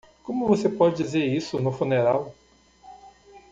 Como você pode dizer isso no funeral?